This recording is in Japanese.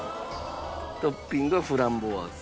トッピングはフランボワーズ。